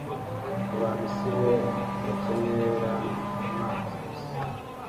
Abantu si bo bakenera amazi gusa.